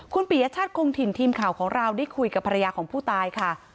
คุณปียชาติคงถิ่นทีมข่าวของเราได้คุยกับภรรยาของผู้ตายค่ะ